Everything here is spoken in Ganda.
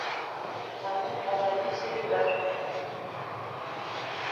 Wano abayizi we batuulira ebigezo byabwe.